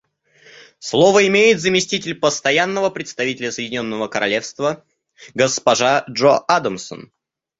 Слово имеет заместитель Постоянного представителя Соединенного Королевства госпожа Джо Адамсон.